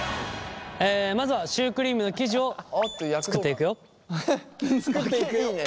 まずはシュークリームの生地を作っていくよ。いいね。